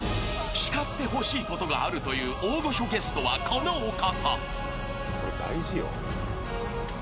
［叱ってほしいことがあるという大御所ゲストはこのお方］